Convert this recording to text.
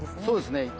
そうですね。